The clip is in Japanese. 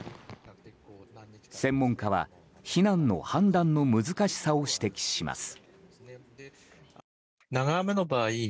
専門家は、避難の判断の難しさを指摘します。